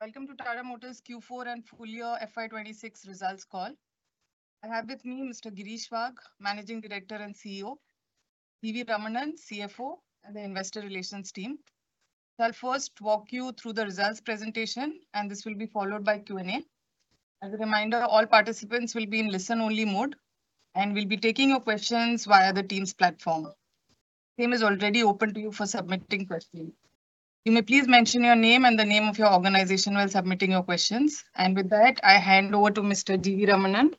Welcome to Tata Motors Q4 and full year FY 2026 results call. I have with me Mr. Girish Wagh, Managing Director and CEO, G. V. Ramanan, CFO, and the investor relations team. I'll first walk you through the results presentation, and this will be followed by Q&A. As a reminder, all participants will be in listen-only mode, and we'll be taking your questions via the Teams platform. Teams is already open to you for submitting questions. You may please mention your name and the name of your organization while submitting your questions. With that, I hand over to Mr. G. V. Ramanan.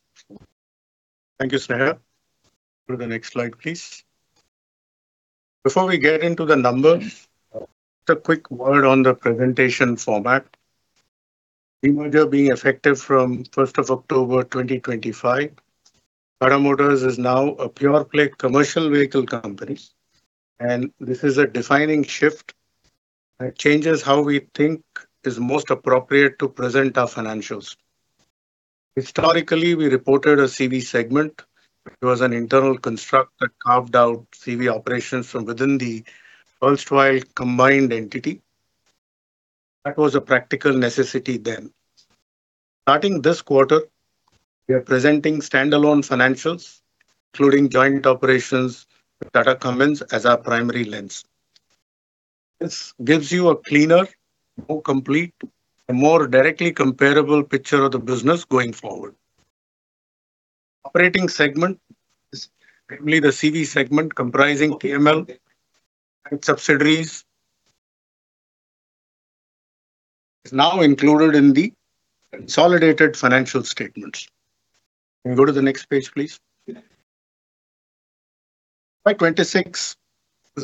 Thank you, Sneha. Go to the next slide, please. Before we get into the numbers, just a quick word on the presentation format. Demerger being effective from 1st of October, 2025, Tata Motors is now a pure-play commercial vehicle company. This is a defining shift that changes how we think is most appropriate to present our financials. Historically, we reported a CV segment, which was an internal construct that carved out CV operations from within the erstwhile combined entity. That was a practical necessity then. Starting this quarter, we are presenting standalone financials, including joint operations with Tata Cummins as our primary lens. This gives you a cleaner, more complete, and more directly comparable picture of the business going forward. Operating segment is mainly the CV segment comprising TML and its subsidiaries. It's now included in the consolidated financial statements. Can you go to the next page, please? FY 2026 was a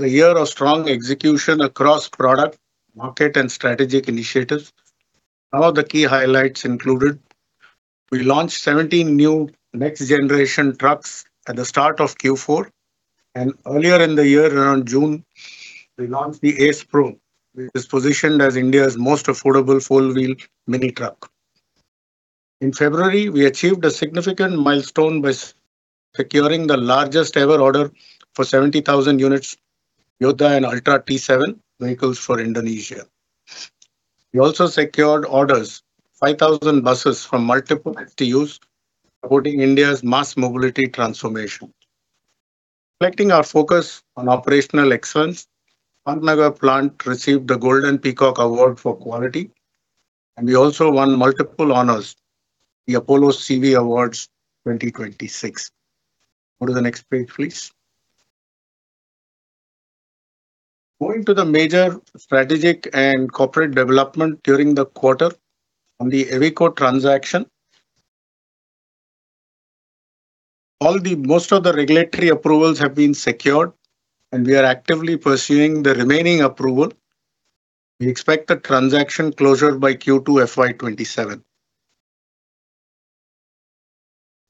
year of strong execution across product, market, and strategic initiatives. Some of the key highlights included: We launched 17 new next-generation trucks at the start of Q4. Earlier in the year, around June, we launched the Ace Pro, which is positioned as India's most affordable four-wheel mini truck. In February, we achieved a significant milestone by securing the largest-ever order for 70,000 units Yodha and Ultra T7 vehicles for Indonesia. We also secured orders, 5,000 buses from multiple STUs, supporting India's mass mobility transformation. Reflecting our focus on operational excellence, Pithampur plant received the Golden Peacock Award for quality, and we also won multiple honors at the Apollo CV Awards 2026. Go to the next page, please. Moving to the major strategic and corporate development during the quarter. On the Iveco transaction, most of the regulatory approvals have been secured, we are actively pursuing the remaining approval. We expect the transaction closure by Q2 FY 2027.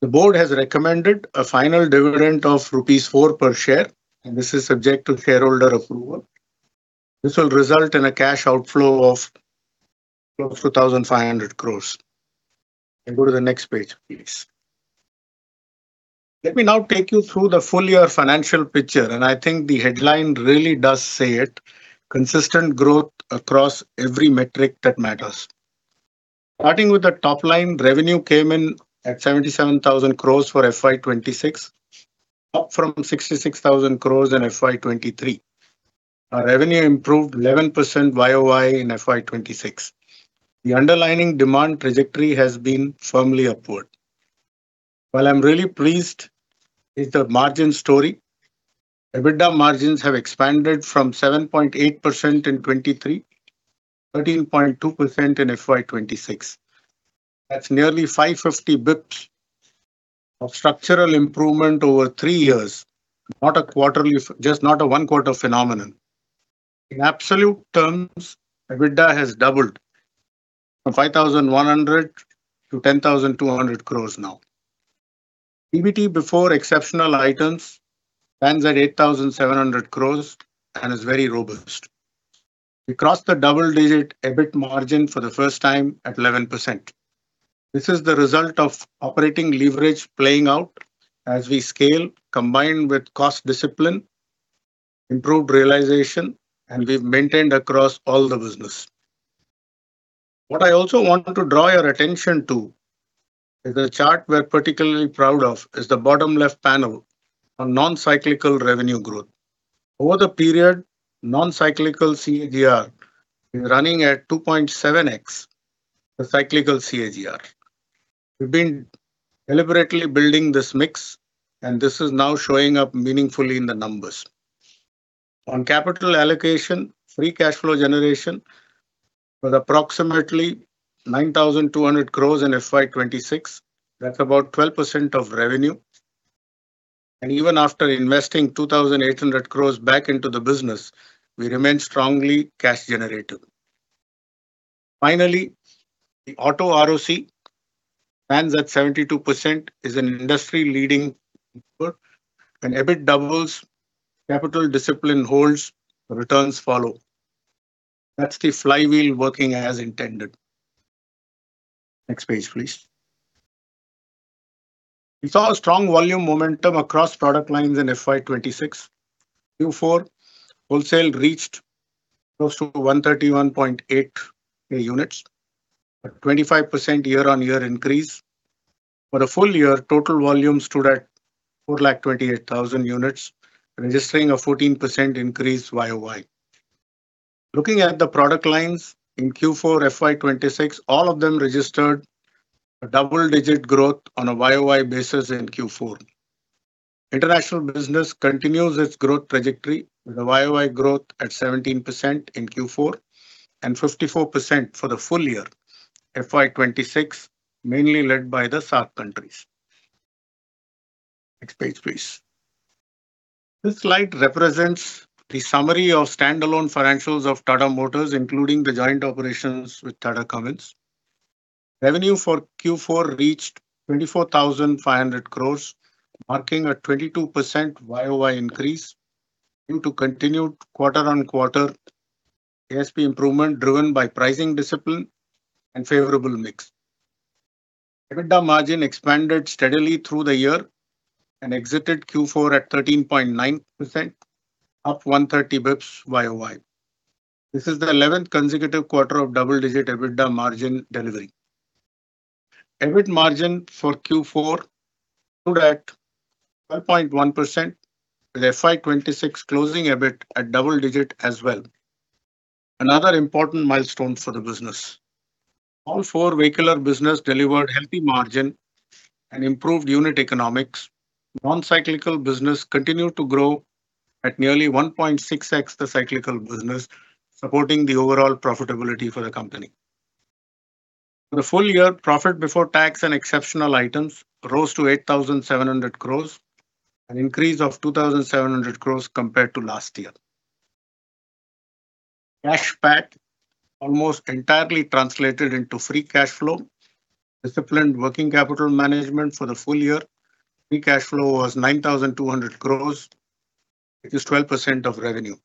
The board has recommended a final dividend of rupees 4 per share, this is subject to shareholder approval. This will result in a cash outflow of close to 1,500 crores. Can you go to the next page, please? Let me now take you through the full-year financial picture, I think the headline really does say it: Consistent growth across every metric that matters. Starting with the top line, revenue came in at 77,000 crores for FY 2026, up from 66,000 crores in FY 2023. Our revenue improved 11% YoY in FY 2026. The underlying demand trajectory has been firmly upward. What I'm really pleased is the margin story. EBITDA margins have expanded from 7.8% in 2023, 13.2% in FY 2026. That's nearly 550 basis points of structural improvement over three years. Not a quarterly just not a one-quarter phenomenon. In absolute terms, EBITDA has doubled from 5,100 crore to 10,200 crore now. PBT before exceptional items stands at 8,700 crore and is very robust. We crossed the double-digit EBIT margin for the first time at 11%. This is the result of operating leverage playing out as we scale, combined with cost discipline, improved realization, and we've maintained across all the business. What I also want to draw your attention to is a chart we're particularly proud of is the bottom left panel on non-cyclical revenue growth. Over the period, non-cyclical CAGR is running at 2.7x the cyclical CAGR. We've been deliberately building this mix, and this is now showing up meaningfully in the numbers. On capital allocation, free cash flow generation was approximately 9,200 crore in FY 2026. That's about 12% of revenue. Even after investing 2,800 crore back into the business, we remain strongly cash generative. Finally, the Auto ROCE stands at 72% is an industry-leading number. When EBIT doubles, capital discipline holds, returns follow. That's the flywheel working as intended. Next page, please. We saw a strong volume momentum across product lines in FY 2026. Q4 wholesale reached close to 131.8K units, a 25% year-over-year increase. For the full year, total volume stood at 428,000 units, registering a 14% increase YoY. Looking at the product lines in Q4 FY 2026, all of them registered a double-digit growth on a YoY basis in Q4. International business continues its growth trajectory with a YoY growth at 17% in Q4 and 54% for the full year, FY 2026, mainly led by the SAARC countries. Next page, please. This slide represents the summary of standalone financials of Tata Motors, including the joint operations with Tata Cummins. Revenue for Q4 reached 24,500 crores, marking a 22% YoY increase into continued quarter-on-quarter ASP improvement driven by pricing discipline and favorable mix. EBITDA margin expanded steadily through the year and exited Q4 at 13.9%, up 130 basis points YoY. This is the 11th consecutive quarter of double-digit EBITDA margin delivery. EBIT margin for Q4 stood at 1.1%, with FY 2026 closing EBIT at double-digit as well, another important milestone for the business. All four vehicular business delivered healthy margin and improved unit economics. Non-cyclical business continued to grow at nearly 1.6x the cyclical business, supporting the overall profitability for the company. For the full year, profit before tax and exceptional items rose to 8,700 crores, an increase of 2,700 crores compared to last year. Cash PAT almost entirely translated into free cash flow. Disciplined working capital management for the full year, free cash flow was 9,200 crores, which is 12% of revenue.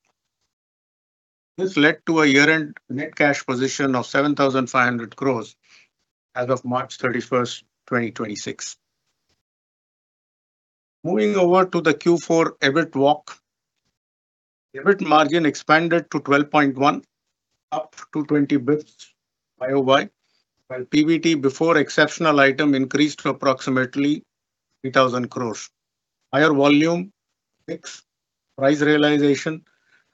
This led to a year-end net cash position of 7,500 crores as of March 31st, 2026. Moving over to the Q4 EBIT walk. EBIT margin expanded to 12.1%, up 220 basis points YoY, while PBT before exceptional item increased to approximately 3,000 crores. Higher volume, mix, price realization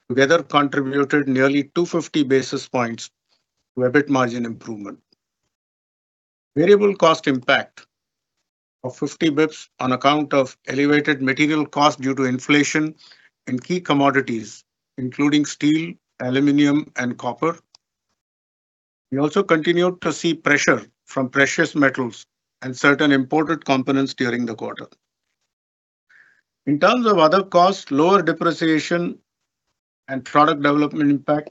together contributed nearly 250 basis points to EBIT margin improvement. Variable cost impact of 50 basis points on account of elevated material cost due to inflation in key commodities, including steel, aluminum, and copper. We also continued to see pressure from precious metals and certain imported components during the quarter. In terms of other costs, lower depreciation and product development impact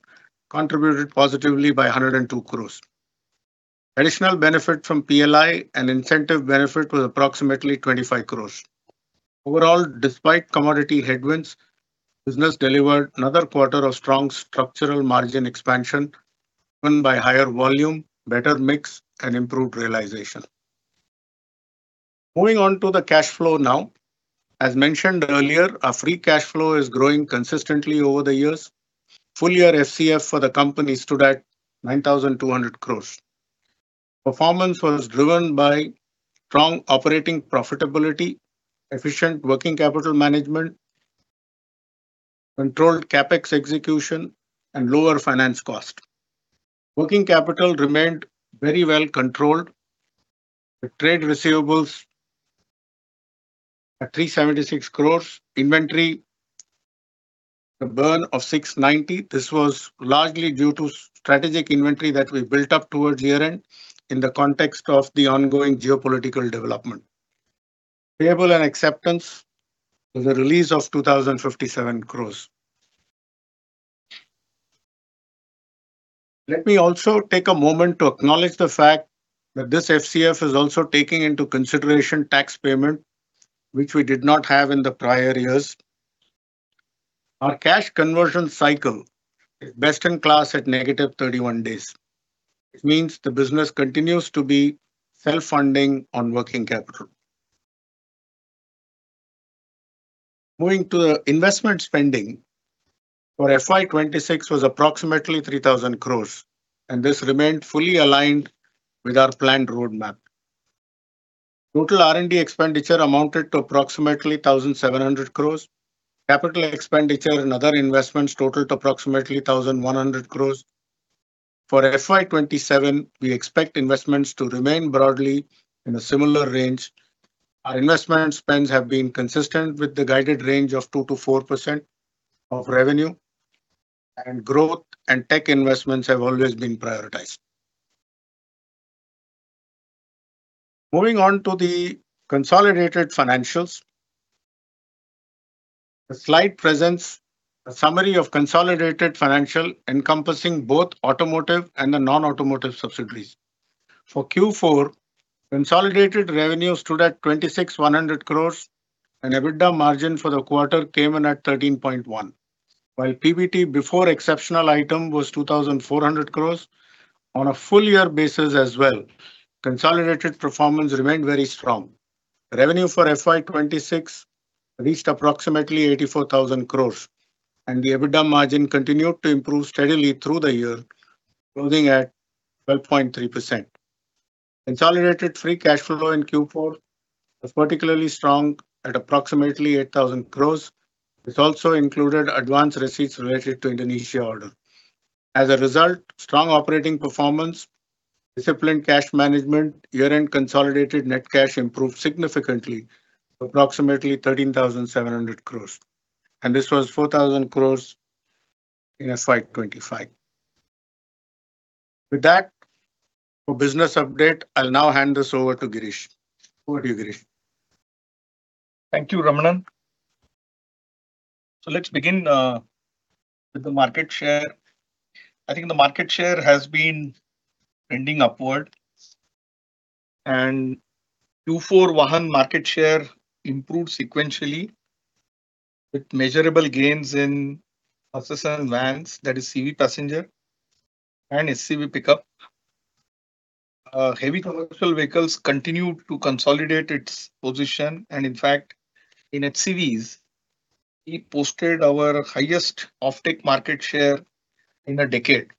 contributed positively by 102 crores. Additional benefit from PLI and incentive benefit was approximately 25 crores. Overall, despite commodity headwinds, business delivered another quarter of strong structural margin expansion driven by higher volume, better mix, and improved realization. Moving on to the cash flow now. As mentioned earlier, our free cash flow is growing consistently over the years. Full year FCF for the company stood at 9,200 crores. Performance was driven by strong operating profitability, efficient working capital management, controlled CapEx execution, and lower finance cost. Working capital remained very well controlled, with trade receivables at 376 crores. Inventory, a burn of 690. This was largely due to strategic inventory that we built up towards year-end in the context of the ongoing geopolitical development. Payable and acceptance was a release of INR 2,057 crores. Let me also take a moment to acknowledge the fact that this FCF is also taking into consideration tax payment, which we did not have in the prior years. Our cash conversion cycle is best in class at negative 31 days. It means the business continues to be self-funding on working capital. Moving to the investment spending for FY 2026 was approximately 3,000 crores, this remained fully aligned with our planned roadmap. Total R&D expenditure amounted to approximately 1,700 crores. Capital expenditure and other investments totaled approximately 1,100 crores. For FY 2027, we expect investments to remain broadly in a similar range. Our investment spends have been consistent with the guided range of 2%-4% of revenue, growth and tech investments have always been prioritized. Moving on to the consolidated financials. The slide presents a summary of consolidated financial encompassing both automotive and the non-automotive subsidiaries. For Q4, consolidated revenue stood at 26,100 crores, EBITDA margin for the quarter came in at 13.1%. While PBT before exceptional item was 2,400 crores on a full year basis as well. Consolidated performance remained very strong. Revenue for FY 2026 reached approximately 84,000 crores, and the EBITDA margin continued to improve steadily through the year, closing at 12.3%. Consolidated free cash flow in Q4 was particularly strong at approximately 8,000 crores, which also included advanced receipts related to Indonesia order. As a result, strong operating performance, disciplined cash management, year-end consolidated net cash improved significantly to approximately 13,700 crores, and this was 4,000 crores in FY 2025. With that, for business update, I'll now hand this over to Girish. Over to you, Girish. Thank you, Ramanan. Let's begin with the market share. I think the market share has been trending upward, Q4 Vahan market share improved sequentially with measurable gains in passenger vans, that is CV passenger and SCV pickup. Heavy commercial vehicles continued to consolidate its position, in fact, in its CVs, we posted our highest offtake market share in a decade.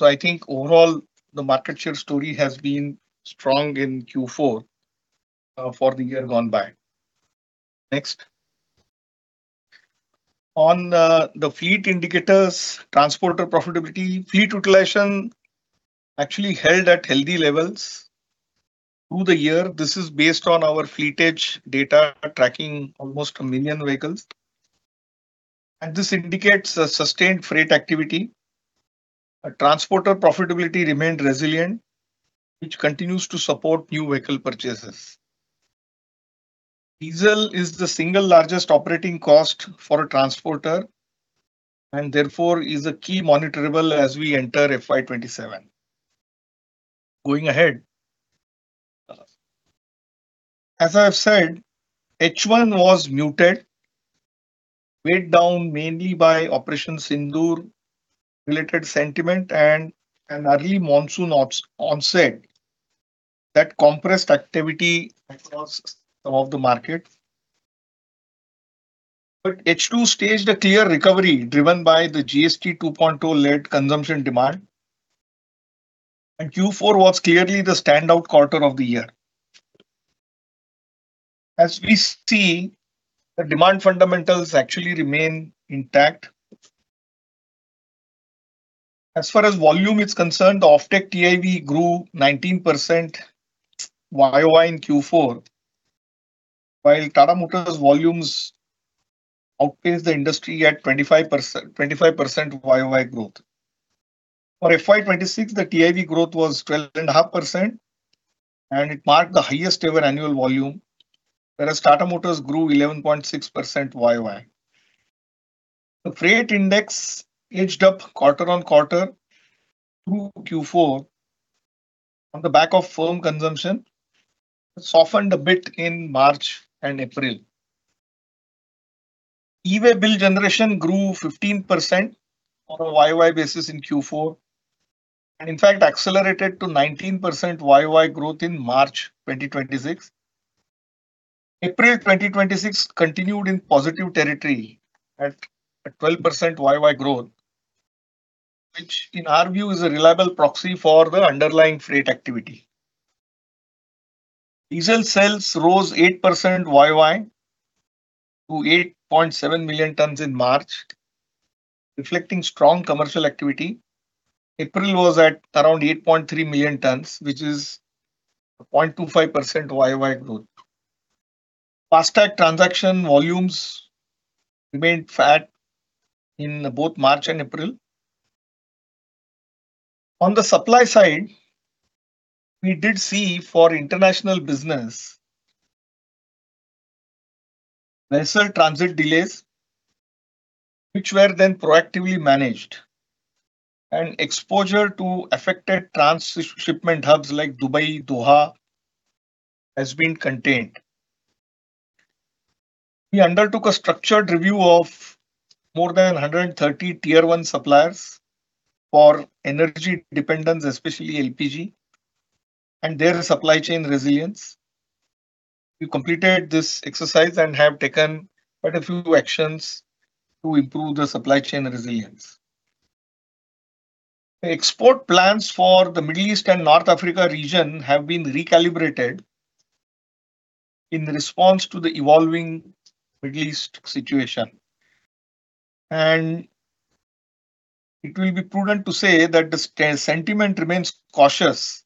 I think overall, the market share story has been strong in Q4 for the year gone by. Next. On the fleet indicators, transporter profitability, fleet utilization actually held at healthy levels through the year. This is based on our Fleet Edge data tracking almost 1 million vehicles, this indicates a sustained freight activity. Transporter profitability remained resilient, which continues to support new vehicle purchases. Diesel is the single largest operating cost for a transporter, and therefore is a key monitorable as we enter FY 2027. Going ahead. As I have said, H1 was muted, weighed down mainly by Operation Sindoor related sentiment and an early monsoon onset that compressed activity across some of the market. H2 staged a clear recovery driven by the GST 2.0-led consumption demand. Q4 was clearly the standout quarter of the year. As we see, the demand fundamentals actually remain intact. As far as volume is concerned, the offtake TIV grew 19% YoY in Q4, while Tata Motors volumes outpaced the industry at 25% YoY growth. For FY 2026, the TIV growth was 12.5%. It marked the highest ever annual volume. Tata Motors grew 11.6% YoY. The freight index edged up quarter-on-quarter through Q4 on the back of firm consumption. It softened a bit in March and April. E-way bill generation grew 15% on a YoY basis in Q4, and in fact accelerated to 19% YoY growth in March 2026. April 2026 continued in positive territory at 12% YoY growth, which in our view is a reliable proxy for the underlying freight activity. Diesel sales rose 8% YoY to 8.7 million tons in March, reflecting strong commercial activity. April was at around 8.3 million tons, which is a 0.25% YoY growth. Fastag transaction volumes remained flat in both March and April. On the supply side, we did see for international business vessel transit delays, which were then proactively managed, and exposure to affected trans-shipment hubs like Dubai, Doha, has been contained. We undertook a structured review of more than 130 tier one suppliers for energy dependence, especially LPG, and their supply chain resilience. We completed this exercise and have taken quite a few actions to improve the supply chain resilience. Export plans for the Middle East and North Africa region have been recalibrated in response to the evolving Middle East situation. It will be prudent to say that the sentiment remains cautious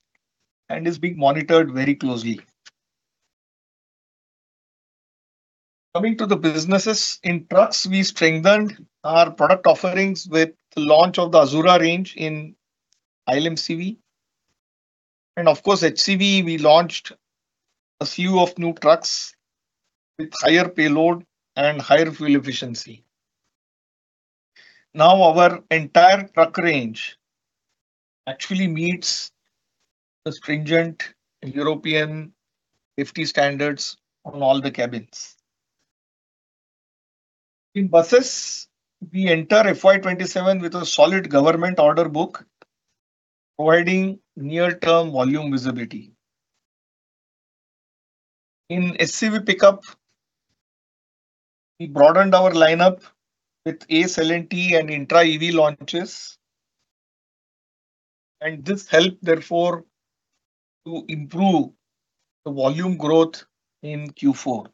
and is being monitored very closely. Coming to the businesses in trucks, we strengthened our product offerings with the launch of the Azura range in ILMCV. Of course, HCV, we launched a few of new trucks with higher payload and higher fuel efficiency. Now our entire truck range actually meets the stringent European safety standards on all the cabins. In buses, we enter FY 2027 with a solid government order book providing near-term volume visibility. In SCV pickup, we broadened our lineup with Ace LNT and Intra EV launches. This helped therefore to improve the volume growth in Q4.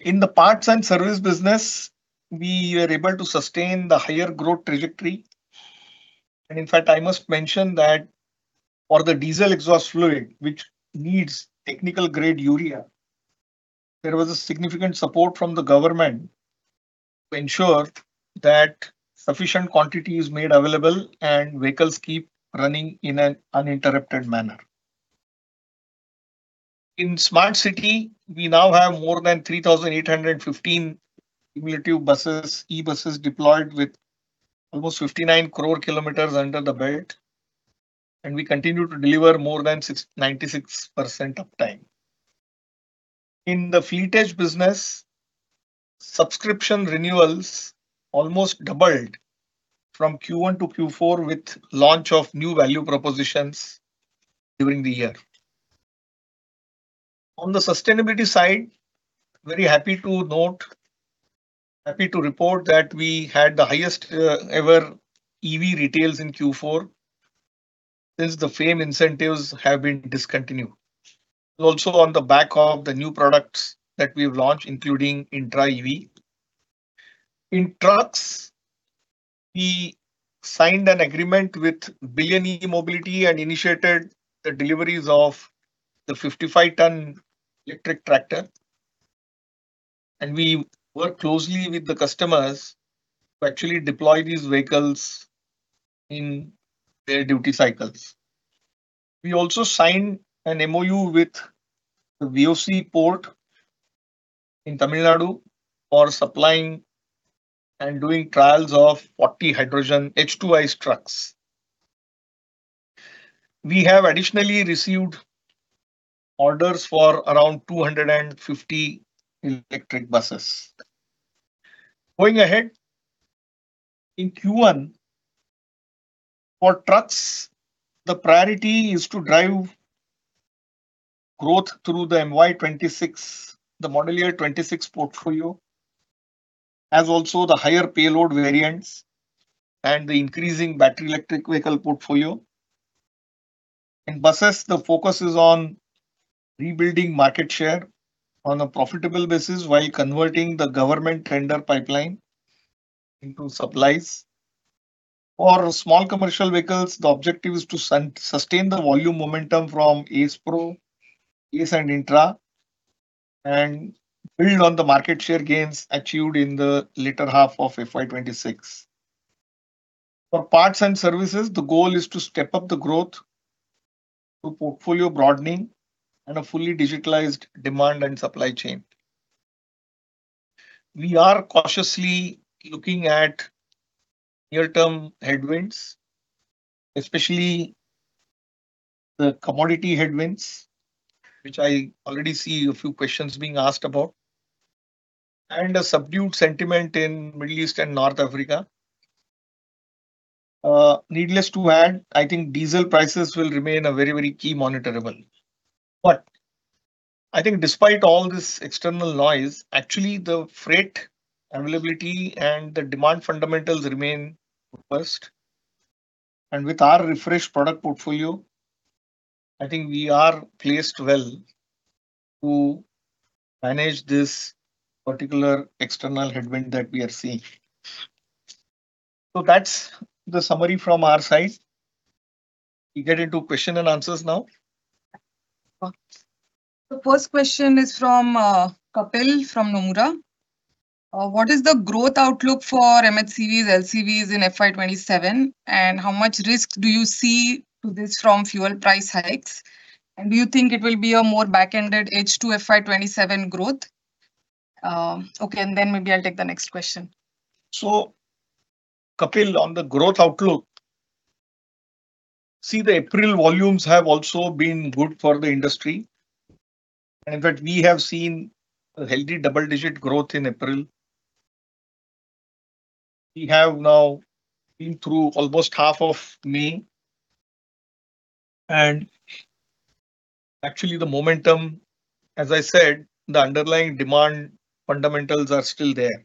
In the parts and service business, we are able to sustain the higher growth trajectory. In fact, I must mention that for the diesel exhaust fluid, which needs technical-grade urea, there was a significant support from the government to ensure that sufficient quantity is made available and vehicles keep running in an uninterrupted manner. In smart city, we now have more than 3,815 cumulative buses, e-buses deployed with almost 59 crore kilometers under the belt, and we continue to deliver more than 96% of time. In the Fleet Edge business, subscription renewals almost doubled from Q1 to Q4 with launch of new value propositions during the year. On the sustainability side, very happy to note, happy to report that we had the highest ever EV retails in Q4 since the FAME incentives have been discontinued. Also on the back of the new products that we've launched, including Intra EV. In trucks, we signed an agreement with BillionE Mobility and initiated the deliveries of the 55-tonne electric tractor. We work closely with the customers to actually deploy these vehicles in their duty cycles. We also signed an MOU with the VOC Port in Tamil Nadu for supplying and doing trials of 40 hydrogen H2 ICE trucks. We have additionally received orders for around 250 electric buses. Going ahead, in Q1, for trucks, the priority is to drive growth through the MY 2026, the model year 26 portfolio, as also the higher payload variants and the increasing battery electric vehicle portfolio. In buses, the focus is on rebuilding market share on a profitable basis while converting the government tender pipeline into supplies. For small commercial vehicles, the objective is to sustain the volume momentum from Ace Pro, Ace and Intra, and build on the market share gains achieved in the latter half of FY 2026. For parts and services, the goal is to step up the growth through portfolio broadening and a fully digitalized demand and supply chain. We are cautiously looking at near-term headwinds, especially the commodity headwinds, which I already see a few questions being asked about, and a subdued sentiment in Middle East and North Africa. Needless to add, I think diesel prices will remain a very, very key monitorable. I think despite all this external noise, actually, the freight availability and the demand fundamentals remain robust. With our refreshed product portfolio, I think we are placed well to manage this particular external headwind that we are seeing. That's the summary from our side. We get into question and answers now. The first question is from Kapil from Nomura. What is the growth outlook for MHCVs, LCVs in FY 2027, and how much risk do you see to this from fuel price hikes? Do you think it will be a more back-ended H2 FY 2027 growth? Okay, then maybe I'll take the next question. Kapil, on the growth outlook, see the April volumes have also been good for the industry. In fact, we have seen a healthy double-digit growth in April. We have now been through almost half of May, and actually, the momentum, as I said, the underlying demand fundamentals are still there.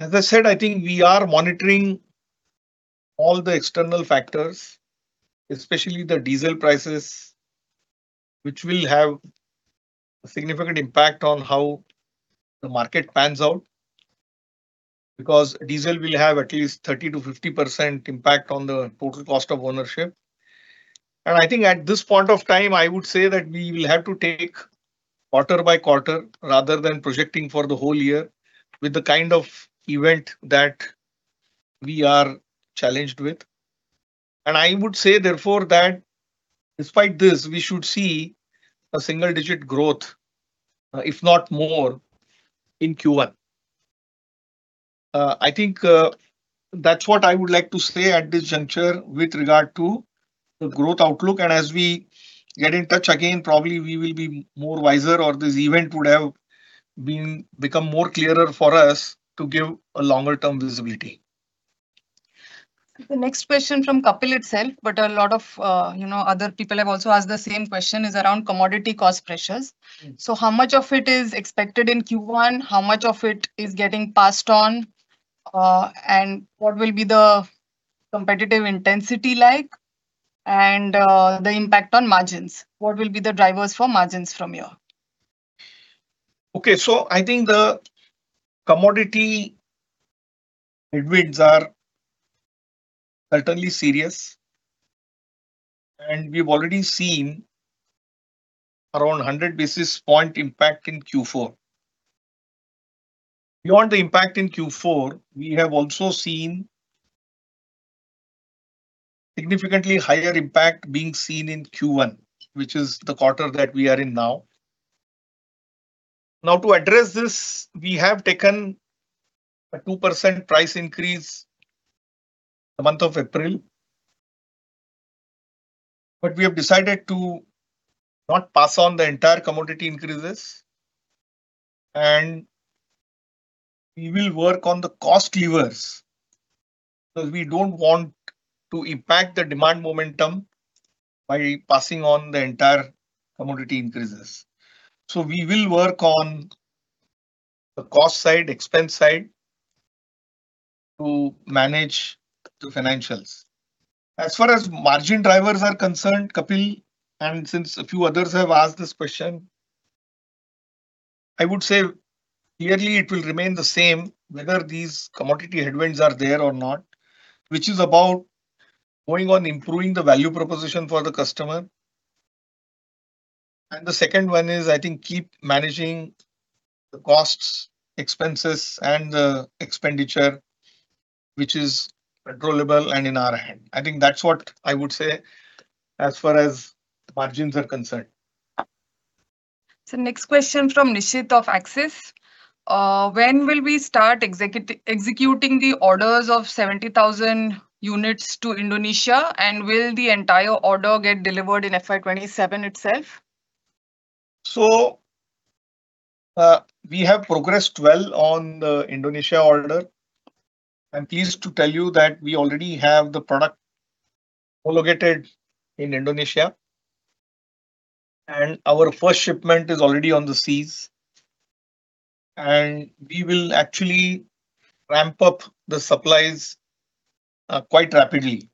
As I said, I think we are monitoring all the external factors, especially the diesel prices, which will have a significant impact on how the market pans out, because diesel will have at least 30%-50% impact on the total cost of ownership. I think at this point of time, I would say that we will have to take quarter by quarter rather than projecting for the whole year with the kind of event that we are challenged with. I would say therefore that despite this, we should see a single-digit growth, if not more in Q1. I think that's what I would like to say at this juncture with regard to the growth outlook. As we get in touch again, probably we will be wiser or this event would have become clearer for us to give a longer term visibility. The next question from Kapil itself, but a lot of, you know, other people have also asked the same question, is around commodity cost pressures. How much of it is expected in Q1? How much of it is getting passed on? What will be the competitive intensity like? The impact on margins. What will be the drivers for margins from here? Okay. I think the commodity headwinds are certainly serious, and we've already seen around 100 basis points impact in Q4. Beyond the impact in Q4, we have also seen significantly higher impact being seen in Q1, which is the quarter that we are in now. To address this, we have taken a 2% price increase the month of April, we have decided to not pass on the entire commodity increases, we will work on the cost levers because we don't want to impact the demand momentum by passing on the entire commodity increases. We will work on the cost side, expense side to manage the financials. As far as margin drivers are concerned, Kapil, since a few others have asked this question, I would say yearly it will remain the same whether these commodity headwinds are there or not, which is about going on improving the value proposition for the customer. The second one is, I think keep managing the costs, expenses, and the expenditure which is controllable and in our hand. I think that's what I would say as far as margins are concerned. Next question from Nishit of Axis. When will we start executing the orders of 70,000 units to Indonesia? Will the entire order get delivered in FY 2027 itself? We have progressed well on the Indonesia order. I'm pleased to tell you that we already have the product located in Indonesia, and our first shipment is already on the seas, and we will actually ramp up the supplies quite rapidly.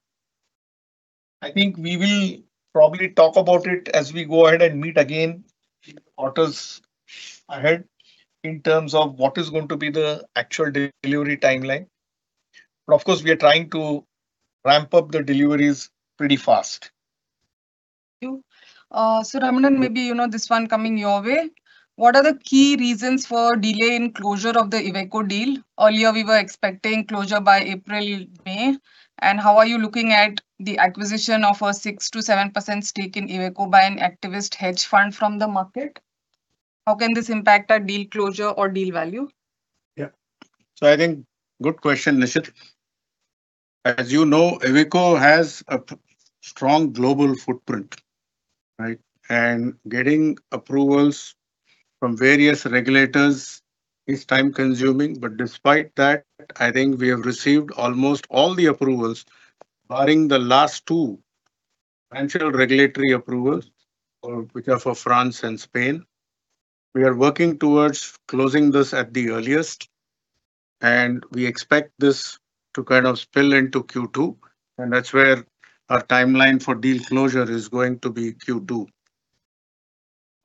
I think we will probably talk about it as we go ahead and meet again in the quarters ahead in terms of what is going to be the actual delivery timeline. Of course we are trying to ramp up the deliveries pretty fast. Thank you. Ramanan, maybe, you know, this one coming your way. What are the key reasons for delay in closure of the Iveco deal? Earlier, we were expecting closure by April/May. How are you looking at the acquisition of a 6%-7% stake in Iveco by an activist hedge fund from the market? How can this impact our deal closure or deal value? I think good question, Nishit. As you know, Iveco has a strong global footprint, right? Getting approvals from various regulators is time-consuming, but despite that, I think we have received almost all the approvals barring the last two financial regulatory approvals, which are for France and Spain. We are working towards closing this at the earliest, and we expect this to kind of spill into Q2, and that's where our timeline for deal closure is going to be Q2.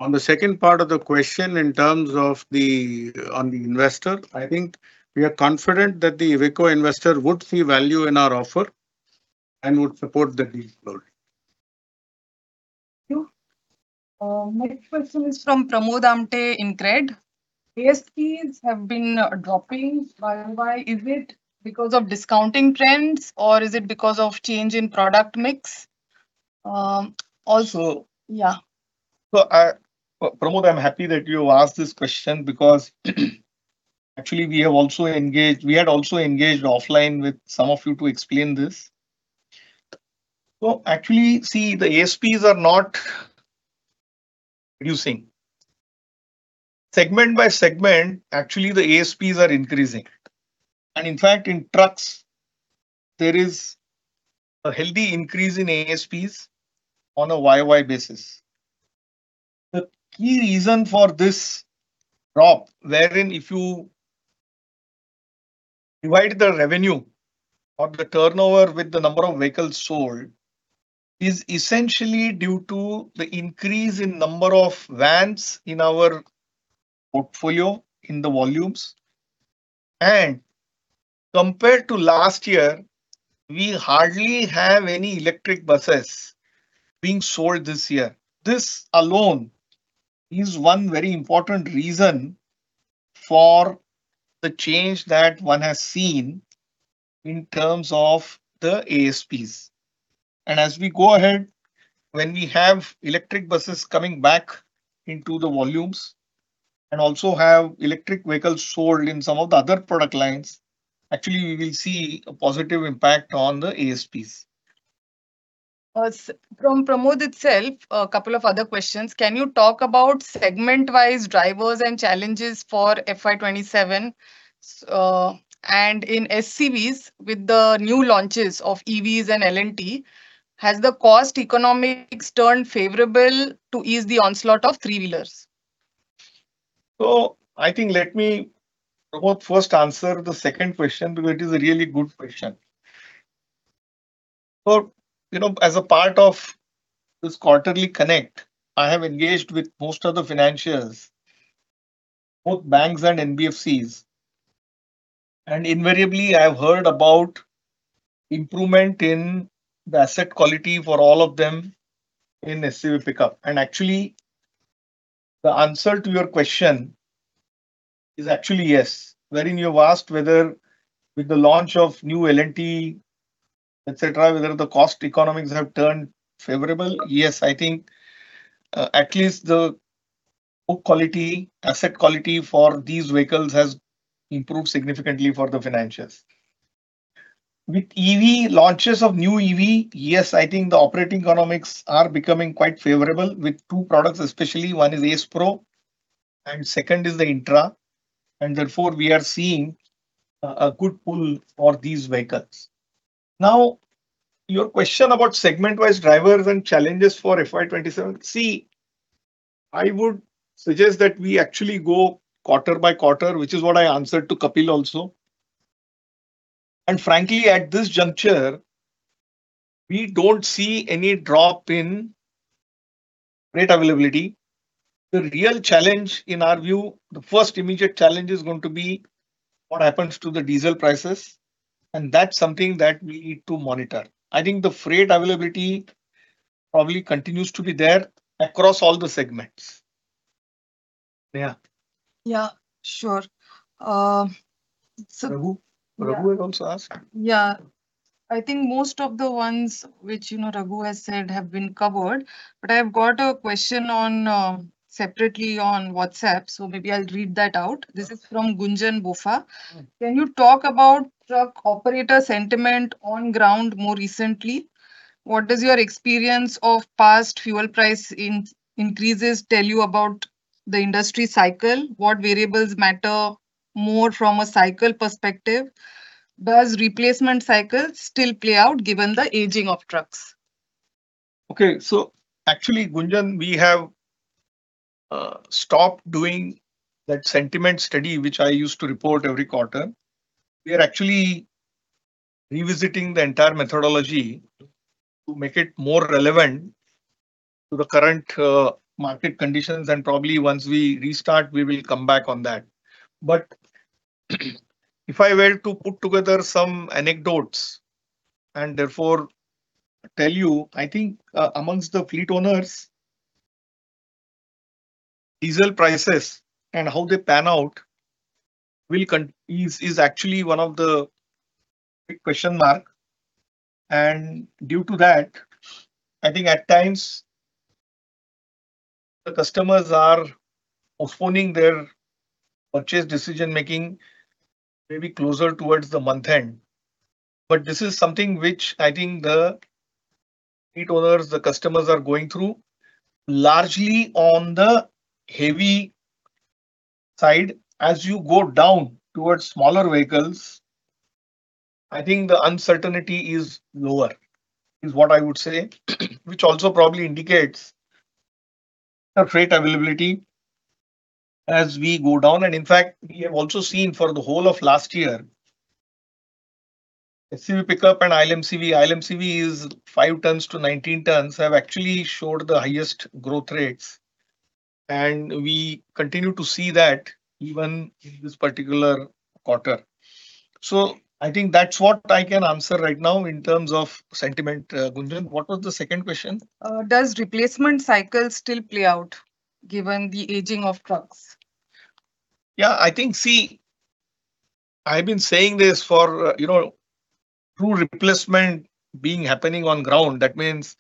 On the second part of the question on the investor, I think we are confident that the Iveco investor would see value in our offer and would support the deal flow. Thank you. Next question is from Pramod Amthe in InCred. ASPs have been dropping by and by. Is it because of discounting trends, or is it because of change in product mix? Pramod, I'm happy that you asked this question because actually we had also engaged offline with some of you to explain this. Actually, see, the ASPs are not reducing. Segment by segment, actually, the ASPs are increasing. In fact, in trucks, there is a healthy increase in ASPs on a YoY basis. The key reason for this drop, wherein if you divide the revenue or the turnover with the number of vehicles sold, is essentially due to the increase in number of vans in our portfolio in the volumes. Compared to last year, we hardly have any electric buses being sold this year. This alone is one very important reason for the change that one has seen in terms of the ASPs. As we go ahead, when we have electric buses coming back into the volumes and also have electric vehicles sold in some of the other product lines, actually we will see a positive impact on the ASPs. From Pramod itself, a couple of other questions. Can you talk about segment-wise drivers and challenges for FY 2027? In SCVs with the new launches of EVs and LNT, has the cost economics turned favorable to ease the onslaught of three-wheelers? I think let me, Pramod, first answer the second question because it is a really good question. You know, as a part of this quarterly connect, I have engaged with most of the financials, both banks and NBFCs, and invariably I've heard about improvement in the asset quality for all of them in SCV pickup. Actually, the answer to your question is actually yes. Wherein you have asked whether with the launch of new LNT, et cetera, whether the cost economics have turned favorable. Yes, I think, at least the book quality, asset quality for these vehicles has improved significantly for the financials. With EV launches of new EV, yes, I think the operating economics are becoming quite favorable with two products especially. One is Ace Pro and second is the Intra. Therefore, we are seeing a good pull for these vehicles. Your question about segment-wise drivers and challenges for FY 2027. See, I would suggest that we actually go quarter by quarter, which is what I answered to Kapil also. Frankly, at this juncture, we don't see any drop in freight availability. The real challenge in our view, the first immediate challenge is going to be what happens to the diesel prices, that's something that we need to monitor. I think the freight availability probably continues to be there across all the segments. Sneha. Sure. Raghu. Raghu had also asked. Yeah. I think most of the ones which, you know, Raghu has said have been covered, but I've got a question on separately on WhatsApp, so maybe I'll read that out. This is from Gunjan [Bufa]. Can you talk about truck operator sentiment on ground more recently? What does your experience of past fuel price increases tell you about the industry cycle? What variables matter more from a cycle perspective? Does replacement cycle still play out given the aging of trucks? Actually, Gunjan, we have stopped doing that sentiment study which I used to report every quarter. We are actually revisiting the entire methodology to make it more relevant to the current market conditions. Probably once we restart, we will come back on that. If I were to put together some anecdotes and therefore tell you, I think, amongst the fleet owners, diesel prices and how they pan out will is actually one of the big question mark. Due to that, I think at times the customers are postponing their purchase decision-making maybe closer towards the month end. This is something which I think the fleet owners, the customers are going through largely on the heavy side. As you go down towards smaller vehicles, I think the uncertainty is lower, is what I would say, which also probably indicates a freight availability as we go down. In fact, we have also seen for the whole of last year, SCV pickup and ILMCV is five tons to 19 tons, have actually showed the highest growth rates, and we continue to see that even in this particular quarter. I think that's what I can answer right now in terms of sentiment, Gunjan. What was the second question? Does replacement cycle still play out given the aging of trucks? I think, see, I've been saying this for, you know, true replacement being happening on ground. That means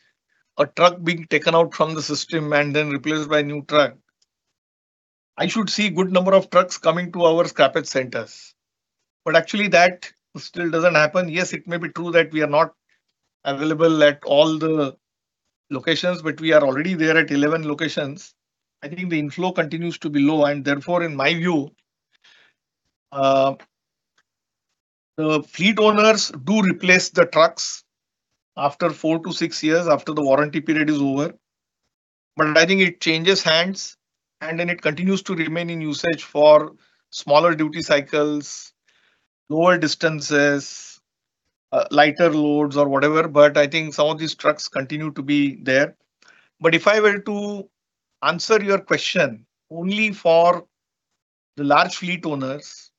a truck being taken out from the system and then replaced by a new truck. I should see good number of trucks coming to our scrappage centers, actually that still doesn't happen. It may be true that we are not available at all the locations, we are already there at 11 locations. I think the inflow continues to be low. In my view, the fleet owners do replace the trucks after four to six years, after the warranty period is over. I think it changes hands, it continues to remain in usage for smaller duty cycles, lower distances, lighter loads or whatever, I think some of these trucks continue to be there. If I were to answer your question only for the large fleet owners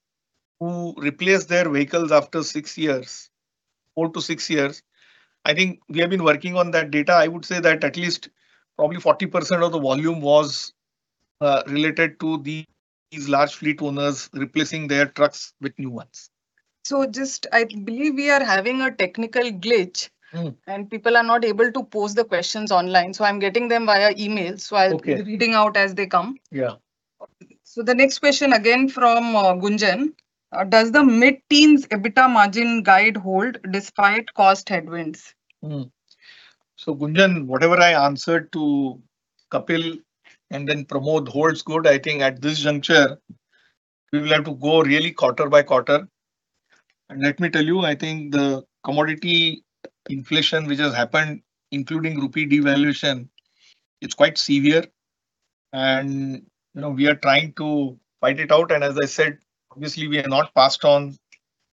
who replace their vehicles after six years, four years-six years. I think we have been working on that data. I would say that at least probably 40% of the volume was related to these large fleet owners replacing their trucks with new ones. just I believe we are having a technical glitch. People are not able to pose the questions online, so I'm getting them via email. Okay I'll be reading out as they come. Yeah. The next question again from Gunjan. Does the mid-teens EBITDA margin guide hold despite cost headwinds? Gunjan, whatever I answered to Kapil and then Pramod holds good. I think at this juncture, we will have to go really quarter by quarter. Let me tell you, I think the commodity inflation which has happened, including rupee devaluation, it's quite severe. You know, we are trying to fight it out, and as I said, obviously we have not passed on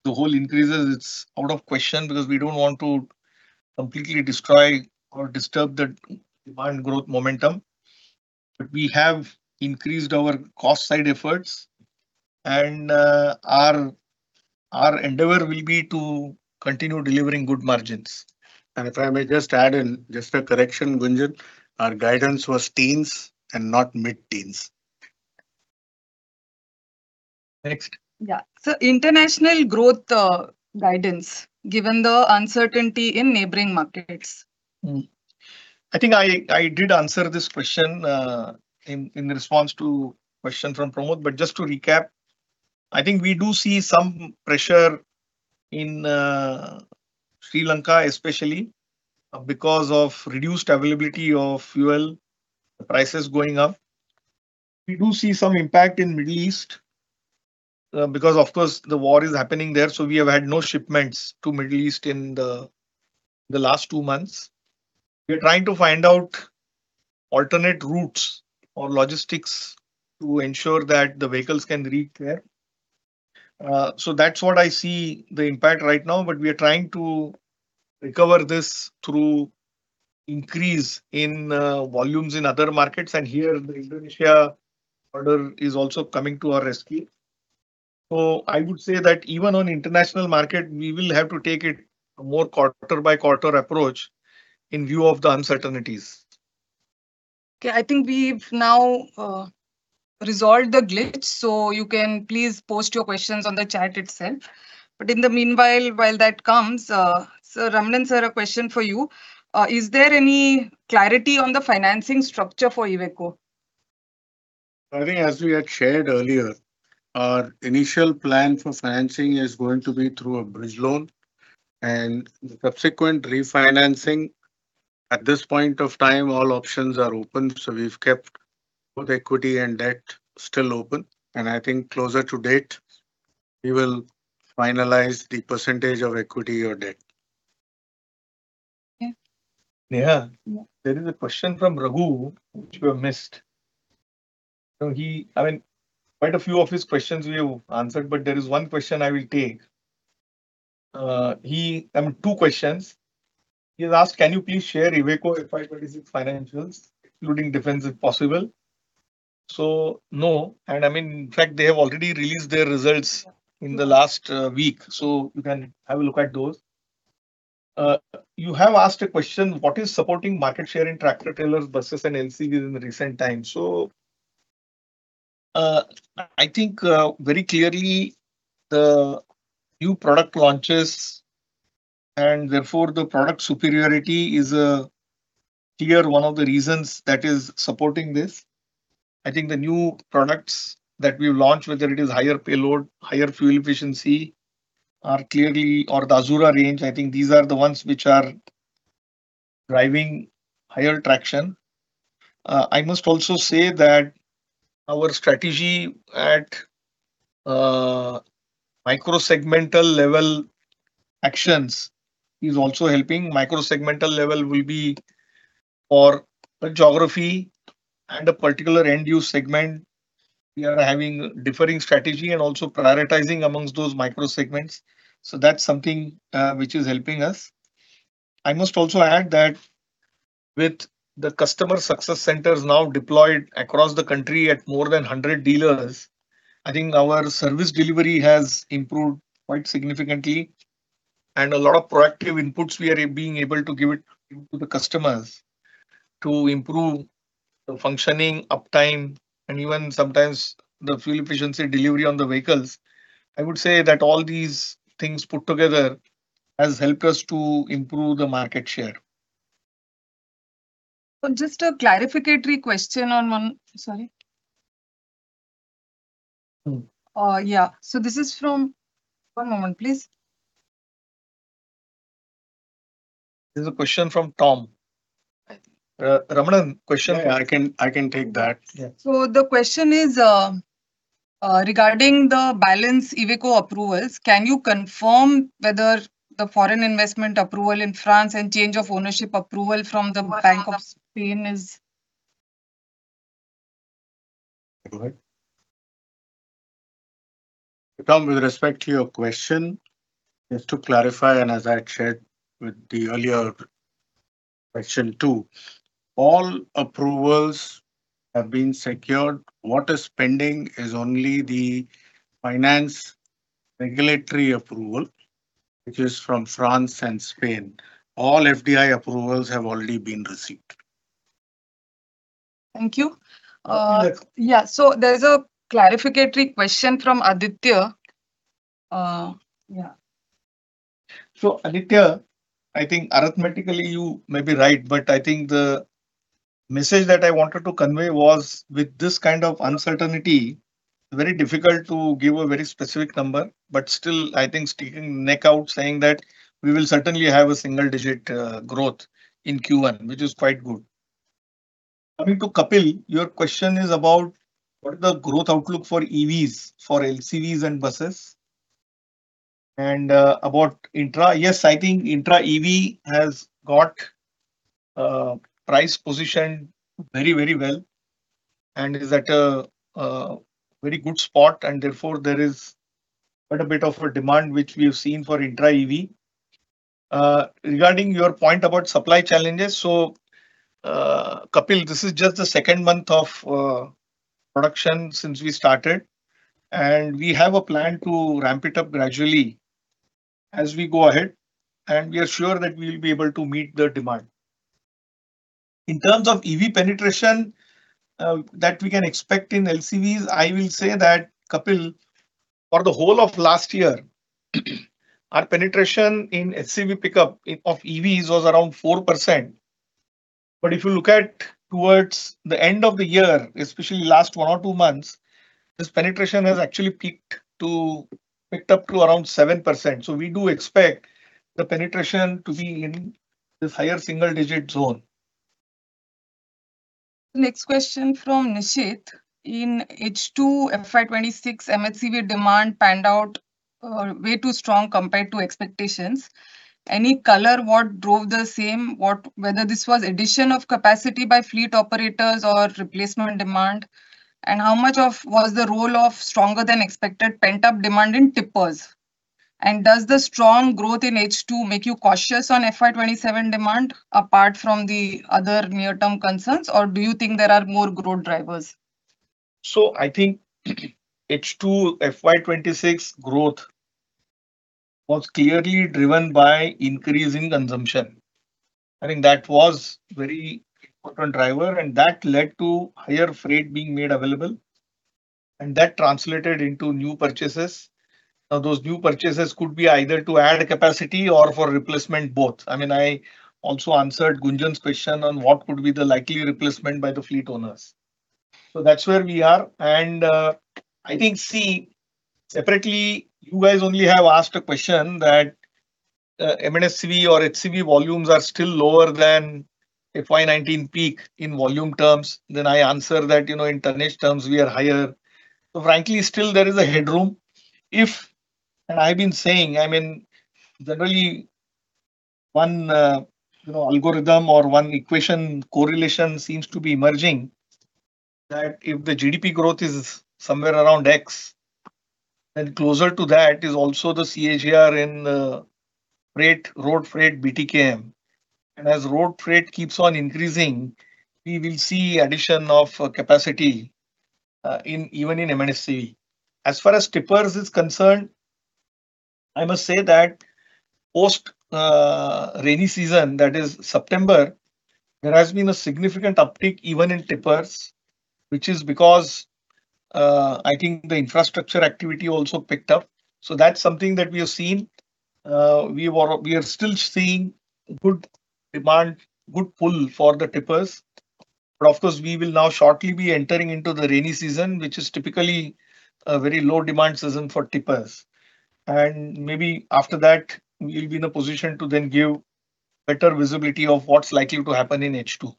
the whole increases. It's out of question because we don't want to completely destroy or disturb the demand growth momentum. We have increased our cost side efforts, and our endeavor will be to continue delivering good margins. If I may just add in just a correction, Gunjan. Our guidance was teens and not mid-teens. Next. Yeah. International growth, guidance, given the uncertainty in neighboring markets. I think I did answer this question in response to question from Pramod, but just to recap, I think we do see some pressure in Sri Lanka, especially because of reduced availability of fuel, prices going up. We do see some impact in Middle East, because of course the war is happening there, so we have had no shipments to Middle East in the last two months. We are trying to find out alternate routes or logistics to ensure that the vehicles can reach there. So that's what I see the impact right now, but we are trying to recover this through increase in volumes in other markets. Here, the Indonesia order is also coming to our rescue. I would say that even on international market, we will have to take it a more quarter by quarter approach in view of the uncertainties. Okay. I think we've now resolved the glitch, so you can please post your questions on the chat itself. In the meanwhile, while that comes, Ramanan sir, a question for you. Is there any clarity on the financing structure for Iveco? I think as we had shared earlier, our initial plan for financing is going to be through a bridge loan and the subsequent refinancing. At this point of time, all options are open, so we've kept both equity and debt still open, and I think closer to date we will finalize the percentage of equity or debt. Okay. Sneha, there is a question from Raghu which we have missed. He I mean, quite a few of his questions we have answered, but there is one question I will take. He I mean, two questions. He's asked, "Can you please share Iveco FY 2026 financials, including defensives possible?" No, and I mean, in fact, they have already released their results in the last week, so you can have a look at those. You have asked a question, "What is supporting market share in tractor trailers, buses and LCVs in the recent times?" I think very clearly the new product launches, and therefore the product superiority is a clear one of the reasons that is supporting this. I think the new products that we've launched, whether it is higher payload, higher fuel efficiency, are clearly or the Azura range, I think these are the ones which are driving higher traction. I must also say that our strategy at micro segmental level actions is also helping. Micro segmental level will be for a geography and a particular end use segment. We are having differing strategy and also prioritizing amongst those micro segments. That's something which is helping us. I must also add that with the customer success centers now deployed across the country at more than 100 dealers, I think our service delivery has improved quite significantly, and a lot of proactive inputs we are being able to give it to the customers to improve the functioning uptime and even sometimes the fuel efficiency delivery on the vehicles. I would say that all these things put together has helped us to improve the market share. Just a clarificatory question on one. Sorry. Yeah. One moment, please. There's a question from Tom. I think. Ramanan. Yeah I can take that. Yeah. The question is, regarding the balance Iveco approvals, can you confirm whether the foreign investment approval in France and change of ownership approval from the Banco de España is? Go ahead. Tom, with respect to your question, just to clarify, and as I shared with the earlier. Question two, all approvals have been secured. What is pending is only the finance regulatory approval, which is from France and Spain. All FDI approvals have already been received. Thank you. Okay. Yeah, there's a clarificatory question from Aditya. yeah. Aditya, I think arithmetically you may be right, but I think the message that I wanted to convey was, with this kind of uncertainty, very difficult to give a very specific number, but still, I think sticking neck out saying that we will certainly have a single digit growth in Q1, which is quite good. Coming to Kapil, your question is about what is the growth outlook for EVs for LCVs and buses, and about Intra. Yes, I think Intra EV has got price position very, very well and is at a very good spot, and therefore there is quite a bit of a demand which we've seen for Intra EV. Regarding your point about supply challenges, Kapil, this is just the second month of production since we started, and we have a plan to ramp it up gradually as we go ahead, and we are sure that we will be able to meet the demand. In terms of EV penetration that we can expect in LCVs, I will say that, Kapil, for the whole of last year, our penetration in LCV pickup in, of EVs was around 4%. If you look at towards the end of the year, especially last one or two months, this penetration has actually picked up to around 7%. We do expect the penetration to be in this higher single digit zone. Next question from Nishit. In H2 FY 2026, MHCV demand panned out, way too strong compared to expectations. Any color what drove the same? Whether this was addition of capacity by fleet operators or replacement demand? How much was the role of stronger than expected pent-up demand in tippers? Does the strong growth in H2 make you cautious on FY 2027 demand, apart from the other near-term concerns, or do you think there are more growth drivers? I think H2 FY 2026 growth was clearly driven by increasing consumption. I think that was very important driver, and that led to higher freight being made available, and that translated into new purchases. Those new purchases could be either to add capacity or for replacement both. I mean, I also answered Gunjan's question on what could be the likely replacement by the fleet owners. That's where we are, and, I think, see, separately you guys only have asked a question that M&HCV or HCV volumes are still lower than FY 2019 peak in volume terms. I answer that, you know, in tonnage terms we are higher. Frankly, still there is a headroom. I've been saying, I mean, generally one, you know, algorithm or one equation correlation seems to be emerging, that if the GDP growth is somewhere around X, then closer to that is also the CAGR in freight, road freight, BTKM. As road freight keeps on increasing, we will see addition of capacity, even in M&HCV. As far as tippers is concerned, I must say that post rainy season, that is September, there has been a significant uptick even in tippers. Which is because, I think the infrastructure activity also picked up. That's something that we have seen. We are still seeing good demand, good pull for the tippers. Of course, we will now shortly be entering into the rainy season, which is typically a very low demand season for tippers. Maybe after that we will be in a position to then give better visibility of what's likely to happen in H2.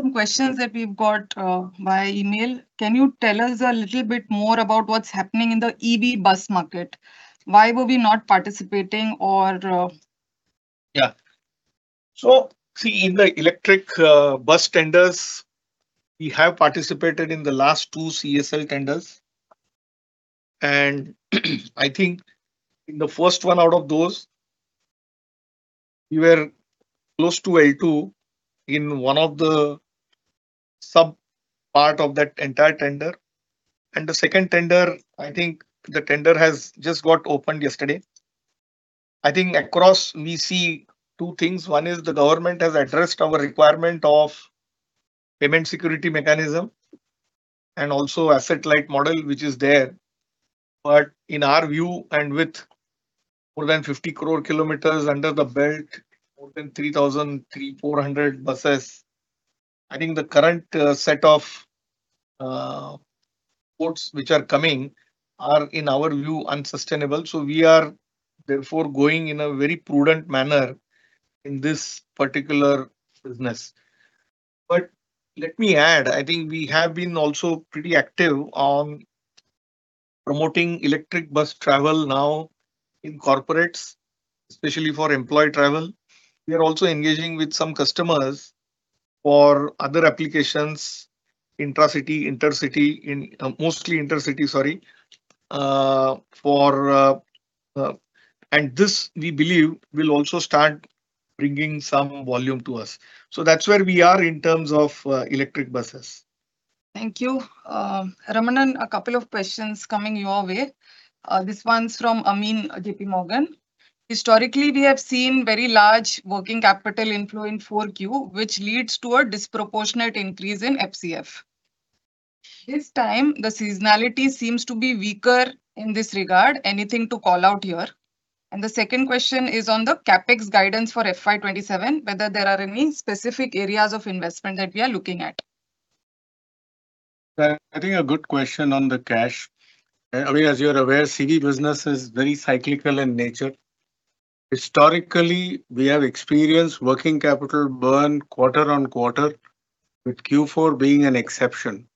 Some questions that we've got by email. Can you tell us a little bit more about what's happening in the EV bus market? Why were we not participating? Yeah. See, in the electric bus tenders, we have participated in the last two CESL tenders. I think in the first one out of those, we were close to L2 in one of the sub-parts of that entire tender. The second tender, I think the tender has just got opened yesterday. I think across we see two things. One is the government has addressed our requirement of payment security mechanism and also asset-light model, which is there. In our view, and with more than 50 crore kilometers under the belt, more than 3,400 buses, I think the current set of quotes which are coming are, in our view, unsustainable. We are therefore going in a very prudent manner in this particular business. Let me add, I think we have been also pretty active on promoting electric bus travel now in corporates, especially for employee travel. We are also engaging with some customers. For other applications, intra-city, intercity, in, mostly intercity, sorry. For, and this, we believe, will also start bringing some volume to us. That's where we are in terms of electric buses. Thank you. Ramanan, a couple of questions coming your way. This one's from Amyn, JPMorgan. Historically, we have seen very large working capital inflow in 4Q, which leads to a disproportionate increase in FCF. This time, the seasonality seems to be weaker in this regard. Anything to call out here? The second question is on the CapEx guidance for FY 2027, whether there are any specific areas of investment that we are looking at. Yeah, I think a good question on the cash. I mean, as you're aware, CV business is very cyclical in nature. Historically, we have experienced working capital burn quarter-on-quarter, with Q4 being an exception.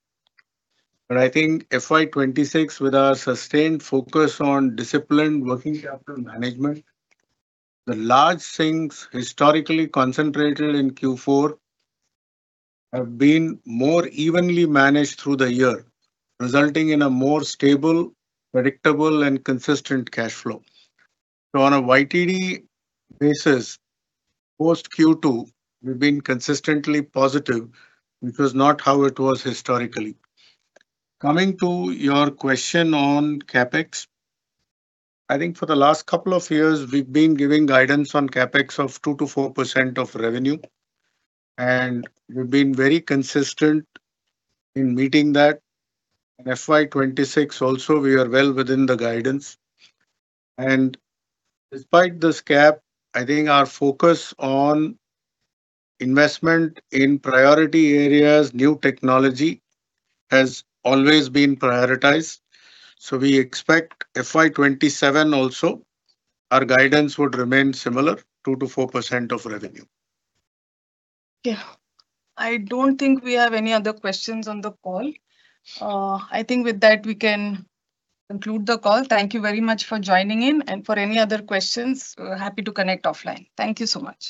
I think FY 2026, with our sustained focus on disciplined working capital management, the large sinks historically concentrated in Q4 have been more evenly managed through the year, resulting in a more stable, predictable and consistent cash flow. On a YTD basis, post Q2, we've been consistently positive, which was not how it was historically. Coming to your question on CapEx, I think for the last couple of years we've been giving guidance on CapEx of 2%-4% of revenue, and we've been very consistent in meeting that. In FY 2026 also we are well within the guidance. Despite this gap, I think our focus on investment in priority areas, new technology, has always been prioritized. We expect FY 2027 also our guidance would remain similar, 2%-4% of revenue. Yeah. I don't think we have any other questions on the call. I think with that we can conclude the call. Thank you very much for joining in. For any other questions, happy to connect offline. Thank you so much.